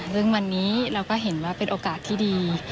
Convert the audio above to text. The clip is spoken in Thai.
ซึ่งวันนี้เราก็เห็นว่าเป็นโอกาสที่ดี